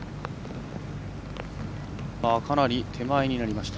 かなり、手前になりました。